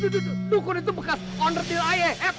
dukun itu bekas onretir ayah